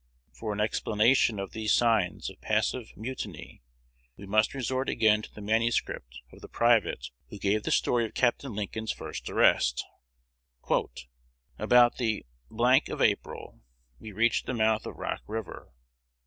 For an explanation of these signs of passive mutiny, we must resort again to the manuscript of the private who gave the story of Capt. Lincoln's first arrest. "About the of April, we reached the mouth of Rock River.